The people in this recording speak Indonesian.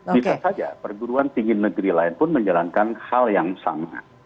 bisa saja perguruan tinggi negeri lain pun menjalankan hal yang sama